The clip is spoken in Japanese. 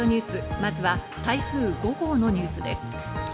まずは台風５号のニュースです。